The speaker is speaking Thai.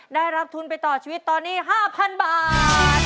ได้รับทุนไปต่อชีวิตตอนนี้๕๐๐๐บาท